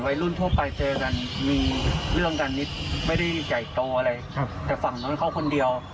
ไม่รู้รึไม่ใช่ได้มาไล่กัน